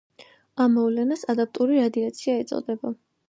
ამ მოვლენას ადაპტური რადიაცია ეწოდება.